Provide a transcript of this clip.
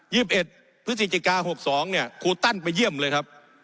สิบเอ็ดพฤศจิกาหกสองเนี่ยครูตั้นไปเยี่ยมเลยครับ